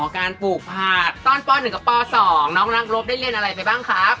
การปลูกผักตอนป๑กับป๒น้องนักรบได้เล่นอะไรไปบ้างครับ